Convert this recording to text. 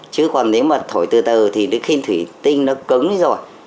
chứ còn nếu mà thổi từ từ thì đến khi thủy tinh nó cứng rồi